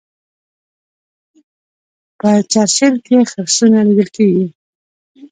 په چرچیل کې خرسونه لیدل کیږي.